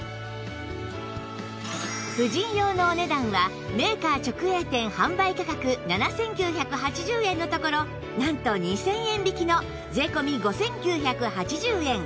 婦人用のお値段はメーカー直営店販売価格７９８０円のところなんと２０００円引きの税込５９８０円